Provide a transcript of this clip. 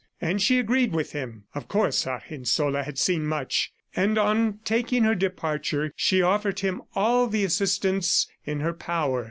And she agreed with him. Of course Argensola had seen much! ... And on taking her departure, she offered him all the assistance in her power.